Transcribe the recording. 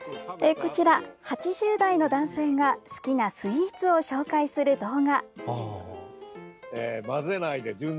こちら、８０代の男性が好きなスイーツを紹介する動画。